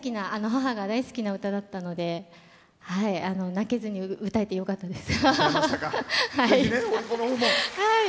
母が大好きな歌だったので泣けずに歌えてよかったです。